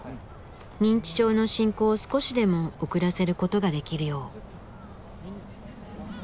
認知症の進行を少しでも遅らせることができるよう。